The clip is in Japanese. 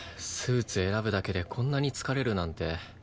スーツ選ぶだけでこんなに疲れるなんて。